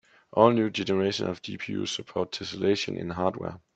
All new generations of GPUs support tesselation in hardware.